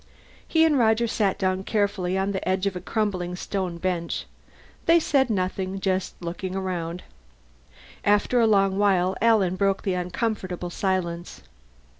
He and Roger sat down carefully on the edge of a crumbling stone bench. They said nothing, just looking around. After a long while Alan broke the uncomfortable silence.